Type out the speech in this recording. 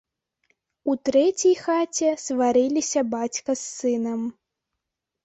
У трэцяй хаце сварыліся бацька з сынам.